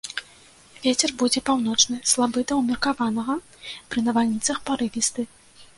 Вецер будзе паўночны, слабы да ўмеркаванага, пры навальніцах парывісты.